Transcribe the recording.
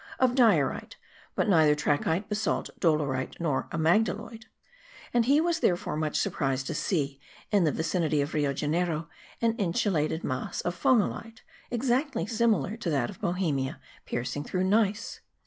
of diorite, but neither trachyte, basalt, dolerite, nor amygdaloid; and he was therefore much surprised to see, in the vicinity of Rio Janeiro, an insulated mass of phonolite, exactly similar to that of Bohemia, piercing through gneiss.